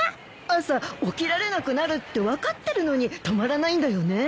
朝起きられなくなるって分かってるのに止まらないんだよね。